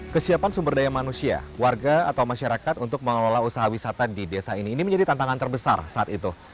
kesiapan sumber daya manusia warga atau masyarakat untuk mengelola usaha wisata di desa ini ini menjadi tantangan terbesar saat itu